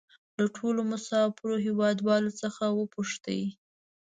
له ټولو مسافرو هېوادوالو څخه وپوښتئ.